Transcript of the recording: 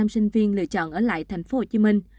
năm sinh viên lựa chọn ở lại tp hcm